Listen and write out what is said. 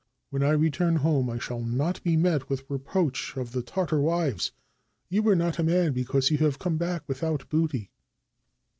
When I return home, I shall not be met with the reproach of the Tartar wives, 'You are not a man, because you have come back without booty.'